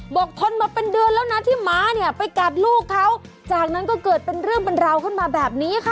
ทนมาเป็นเดือนแล้วนะที่หมาเนี่ยไปกัดลูกเขาจากนั้นก็เกิดเป็นเรื่องเป็นราวขึ้นมาแบบนี้ค่ะ